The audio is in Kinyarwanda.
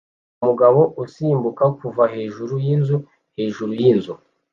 Umugabo usimbuka kuva hejuru yinzu hejuru yinzu